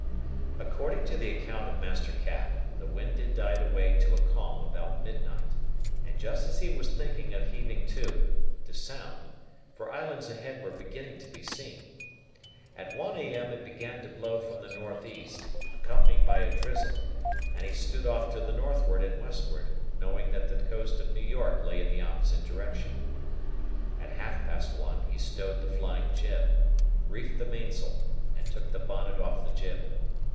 According to the account of Master Cap, the wind had died away to a calm about midnight, or just as he was thinking of heaving to, to sound, for islands ahead were beginning to be seen. At one A.M. it began to blow from the north east, accompanied by a drizzle, and he stood off to the northward and westward, knowing that the coast of New York lay in the opposite direction. At half past one he stowed the flying jib, reefed the mainsail, and took the bonnet off the jib.